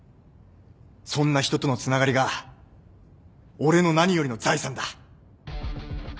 そんな人とのつながりが俺の何よりの財産だ。